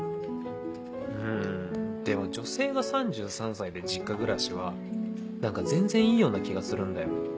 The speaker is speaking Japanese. うんでも女性が３３歳で実家暮らしは何か全然いいような気がするんだよ。